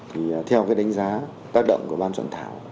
thì theo cái đánh giá tác động của ban soạn thảo